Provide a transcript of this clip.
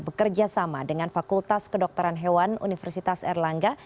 bekerja sama dengan fakultas kedokteran hewan universitas erlangga